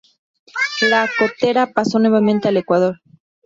La Cotera pasó nuevamente al Ecuador.